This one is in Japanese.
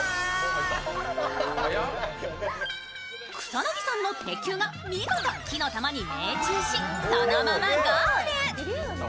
草薙さんの鉄球が見事、木の球に命中し、そのままゴール。